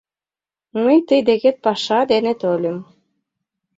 — Мый тый декет паша дене тольым.